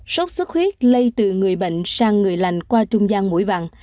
sốt xuất huyết lây từ người bệnh sang người lành qua trung gian mũi vặn